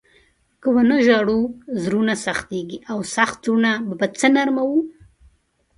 که و نه ژاړو، زړونه سختېږي او سخت زړونه به په څه نرموو؟